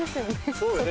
そうよね。